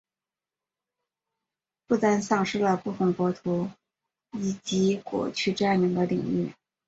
不丹丧失了部分国土以及过去占领的领域。